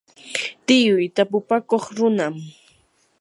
tiyuu tapupakuq runam.